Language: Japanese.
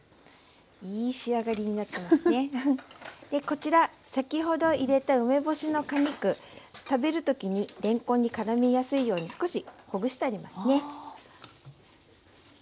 こちら先ほど入れた梅干しの果肉食べる時にれんこんにからみやすいように少しほぐしてありますね。